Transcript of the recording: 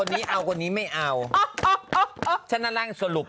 นี่มีแต่หุ่นโห้อูย